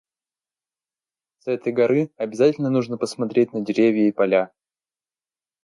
С этой горы обязательно нужно посмотреть на деревья и поля.